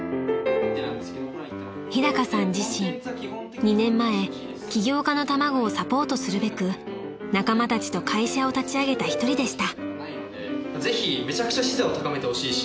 ［日高さん自身２年前起業家の卵をサポートするべく仲間たちと会社を立ち上げた一人でした］